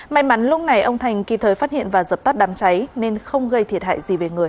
may mắn lúc này ông thành kịp thời phát hiện và dập tắt đám cháy nên không gây thiệt hại gì về người